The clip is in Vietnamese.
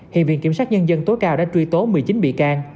hiện viện kiểm sát nhân dân tối cao đã truy tố một mươi chín bị can